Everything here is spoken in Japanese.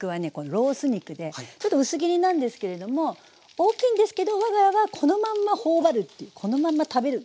ロース肉でちょっと薄切りなんですけれども大きいんですけど我が家はこのまんま頬張るっていうこのまんま食べるっていうことを。